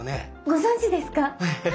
ご存じですか？